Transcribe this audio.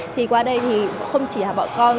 thì qua đây thì không chỉ là bọn con